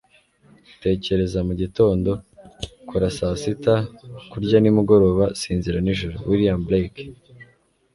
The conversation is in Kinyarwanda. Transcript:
tekereza mu gitondo. kora saa sita. kurya nimugoroba. sinzira nijoro. - william blake